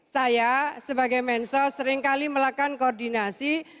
saya sebagai mensos seringkali melakukan koordinasi